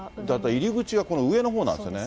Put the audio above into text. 入り口がこの上の方なんですよね。